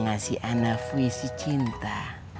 ngasih anak fuy si cinta